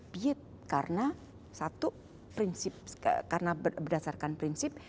be it karena satu prinsip karena berdasarkan prinsip